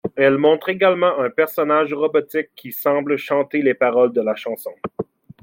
Elle montre également un personnage robotique qui semble chanter les paroles de la chanson.